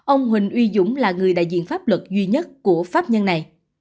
ông huỳnh uy dũng là người đại diện pháp luật duy nhất của pháp nhân này